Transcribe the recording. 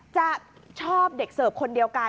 จะชอบเด็กเสิร์ฟคนเดียวกัน